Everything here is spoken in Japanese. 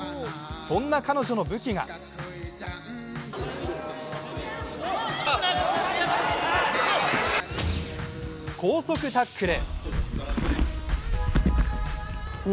そんな彼女の武器が高速タックル。